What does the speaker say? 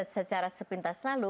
secara sepintas lalu